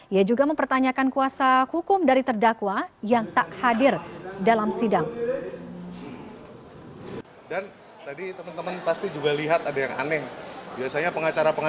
ia juga mempertanyakan kuasa hukum dari terdakwa yang tak hadir dalam sidang